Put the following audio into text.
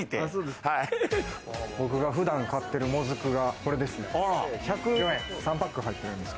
僕が普段買ってるモズクがこれですね。